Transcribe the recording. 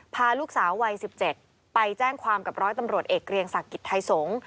พาลูกสาววัย๑๗ไปแจ้งความกับร้อยตำรวจเอกเกรียงศักดิ์กิจไทยสงฆ์